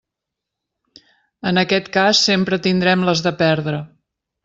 En aquest cas sempre tindrem les de perdre.